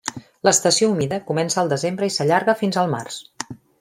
L'estació humida comença al desembre i s'allarga fins al març.